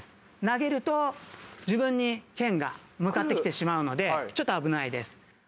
投げると自分にけんが向かってきてしまうのでちょっと危ないです。